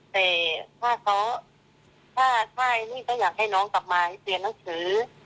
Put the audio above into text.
แต่ถ้าเขาอยากให้น้องกลับมาเรียนนังคือ